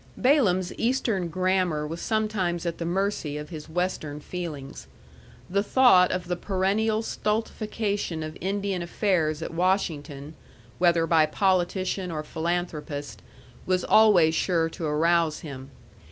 Balaam's Eastern grammar was sometimes at the mercy of his Western feelings. The thought of the perennial stultification of Indian affairs at Washington, whether by politician or philanthropist, was always sure to arouse him.